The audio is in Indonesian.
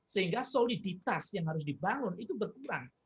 sehingga soliditas yang harus dibangun itu berkurang